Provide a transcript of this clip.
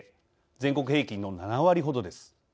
全国平均の７割ほどです。